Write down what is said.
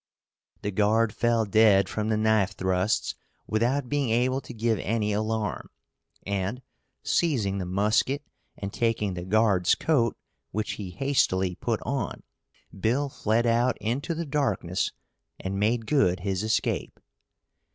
The guard fell dead from the knife thrusts without being able to give any alarm, and, seizing the musket and taking the guard's coat, which he hastily put on, Bill fled out into the darkness and made good his escape.